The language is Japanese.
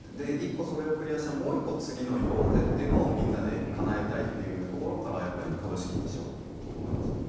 １個それをクリアしたらもう１個次のに行こうぜというみんなでかなえたいというところから株式にしようと思いましたね。